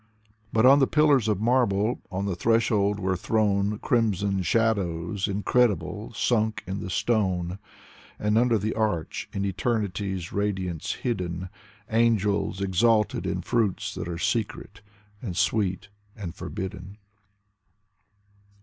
But on the pillars of marble, on the threshold were thrown Crimson shadows incredible, sunk in the stone. And, under the arch, in eternity's radiance hidden, Angels exulted in fruits that are secret and swe^t and forbidden.